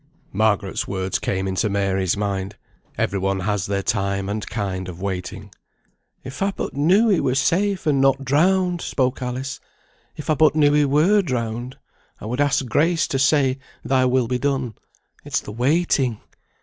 Margaret's words came into Mary's mind. Every one has their time and kind of waiting. "If I but knew he were safe, and not drowned!" spoke Alice. "If I but knew he were drowned, I would ask grace to say, Thy will be done. It's the waiting."